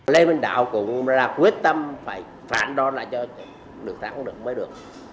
lê minh đạo cũng là quyết tâm phải phản đoan lại cho được thắng được mới được